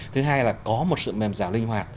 thứ hai là có một sự mềm giả linh hoạt